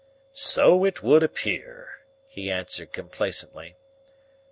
"So it would appear," he answered complacently.